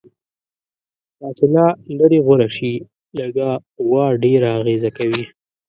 فاصله لرې غوره شي، لږه قوه ډیره اغیزه کوي.